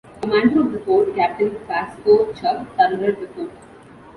Commander of the fort, Captain Pascoe Chubb surrendered the fort.